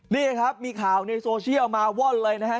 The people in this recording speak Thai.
นี่ครับมีข่าวในโซเชียลมาว่อนเลยนะฮะ